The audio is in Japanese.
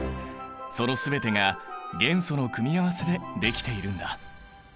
その全てが元素の組み合わせでできているんだ。